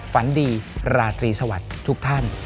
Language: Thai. ฝันดีราตรีสวัสดิ์ทุกท่าน